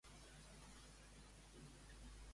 Quants cops va triomfar al Campionat de Catalunya Absolut?